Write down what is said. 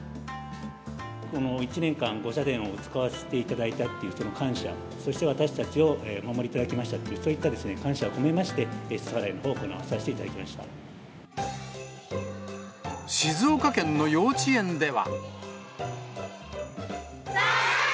この１年間ご社殿を使わせていただいたっていうその感謝、そして私たちをお守りいただきましたという、そういった感謝を込めまして、すす払いのほう、静岡県の幼稚園では。